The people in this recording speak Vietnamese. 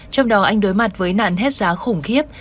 trong đó anh đối mặt với nạn hết giá khủng khiếp